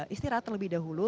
istirahat terlebih dahulu